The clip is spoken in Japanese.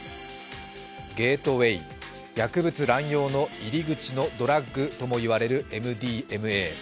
ゲートウェイ、薬物乱用の入り口のドラッグともいわれるＭＤＭＡ。